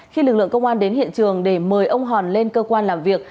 khi lực lượng công an đến hiện trường để mời ông hòn lên cơ quan làm việc